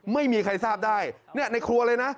ไม่มีใครทราบได้ในครัวเลยนะ